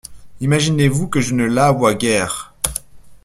Imaginez-vous que je ne la vois guère.